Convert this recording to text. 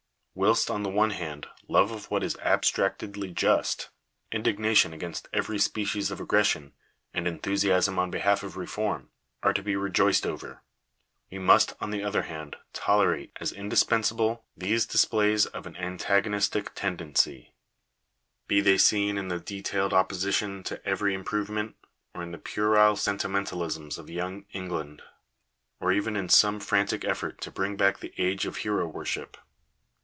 Whilst, on the one hand, love of what is abstractedly just, indignation against every species of aggression, and enthusiasm on behalf of reform, are to be rejoiced over; we must, on the other hand, Digitized by VjOOQIC 470 CONCLUSION. tolerate, as indispensable, these displays of an antagonistic ten dency; be they seen in the detailed opposition to every im provement, or in the puerile sentimentalisms of Young England, or even in some frantic effort to bring back the age of hero worship.